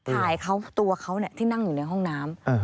ถ่ายเขาตัวเขาที่นั่งอยู่ในห้องน้ำ